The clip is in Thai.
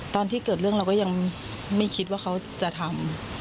ตอนที่เกิดเรื่องเราก็ยังไม่คิดว่าเขาจะทำ